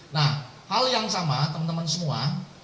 nah hal yang sama teman teman semua